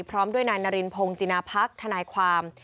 พร้อมด้วยนายนารินพงศินาพักทนายความ